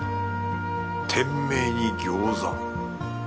店名に餃子。